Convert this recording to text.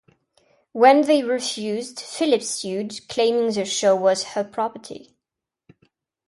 When they refused, Phillips sued, claiming the show was her property.